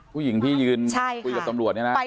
ผู้หญิงที่ยืนคุยกับตำรวจนี่นะครับใช่ค่ะ